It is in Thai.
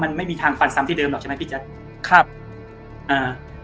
มันไม่มีทางฟันซ้ำที่เดิมหรอกใช่ไหมพี่แจ๊คครับอ่า